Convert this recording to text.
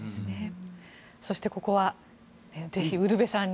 そして、ここはぜひ、ウルヴェさんに。